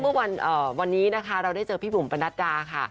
เมื่อวานนี้นะคะเราได้เจอพี่บุ๋มปนัดดาค่ะ